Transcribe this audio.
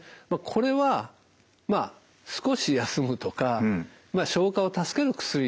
これはまあ少し休むとか消化を助ける薬